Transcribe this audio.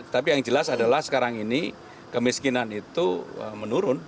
tapi yang jelas adalah sekarang ini kemiskinan itu menurun